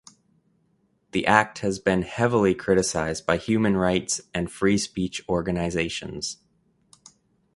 The act has been heavily criticised by human rights and free speech organisations.